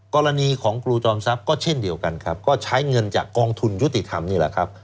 กรณีของครูจอมทรัพย์ก็เช่นเดียวกันครับก็ใช้เงินจากกองทุนยุติธรรมนี่แหละครับ